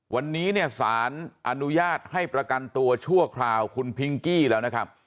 วันนี้เนี่ยสารอนุญาตให้ประกันตัวชั่วคราวคุณพิงกี้แล้วนะครับ